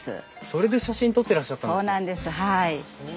それで写真撮ってらっしゃったんですね。